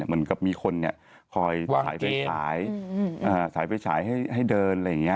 เหมือนกับมีคนคอยถ่ายไฟฉายให้เดินอะไรอย่างนี้